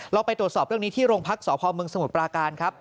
เราไปตรวจสอบเรื่องนี้ที่โรงพักษพเมืองสมุทรปราการครับ